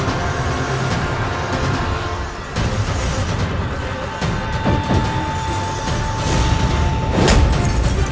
jangan diselengkapkan saja